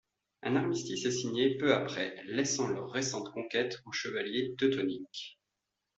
Un armistice est signé peu après, laissant leurs récentes conquêtes aux chevaliers Teutoniques.